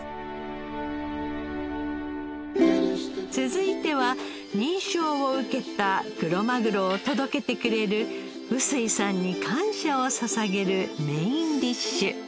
続いては認証を受けたクロマグロを届けてくれる臼井さんに感謝をささげるメインディッシュ。